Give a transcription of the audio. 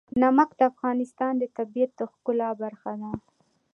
نمک د افغانستان د طبیعت د ښکلا برخه ده.